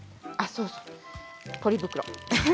そうそう、ポリ袋。